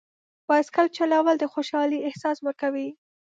بایسکل چلول د خوشحالۍ احساس ورکوي.